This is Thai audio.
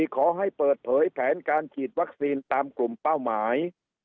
ขอให้เปิดเผยแผนการฉีดวัคซีนตามกลุ่มเป้าหมาย